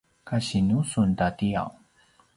kasinu sun ta tiyaw?